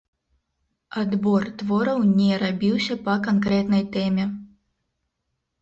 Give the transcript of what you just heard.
Адбор твораў не рабіўся па канкрэтнай тэме.